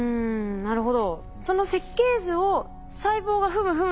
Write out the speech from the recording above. なるほど。